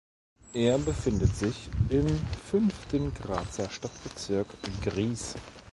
Er befindet sich im fünften Grazer Stadtbezirk Gries.